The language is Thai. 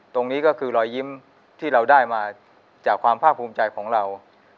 ตรงนี้ก็คือรอยยิ้มที่เราได้มาจากความภาคภูมิใจของเรา